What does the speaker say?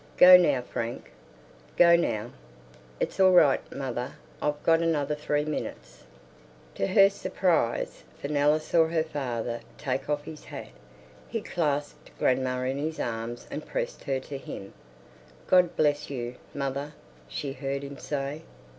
Go now, Frank. Go now." "It's all right, mother. I've got another three minutes." To her surprise Fenella saw her father take off his hat. He clasped grandma in his arms and pressed her to him. "God bless you, mother!" she heard him say.